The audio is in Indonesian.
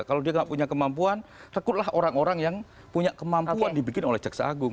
kalau dia tidak punya kemampuan rekrutlah orang orang yang punya kemampuan dibikin oleh jaksa agung